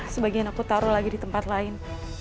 sebagian aku taruh lagi di tempat lain